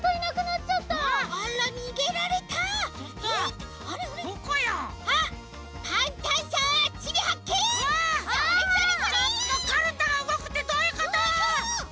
ちょっとカルタがうごくってどういうこと！？